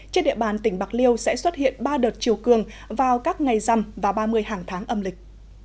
trên địa bàn tỉnh bạc liêu sẽ xuất hiện ba đợt chiều cường vào các ngày răm và ba mươi hàng tháng âm lịch